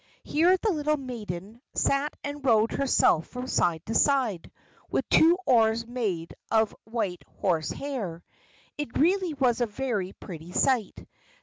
Here the little maiden sat and rowed herself from side to side, with two oars made of white horse hair. It really was a very pretty sight.